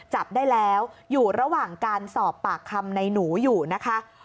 จับได้แล้วอยู่ระหว่างการสอบปากคำในหนูอยู่นะคะ